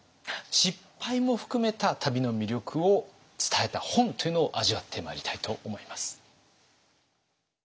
失敗も含めた旅の魅力を伝えた本というのを味わってまいりたいと思います。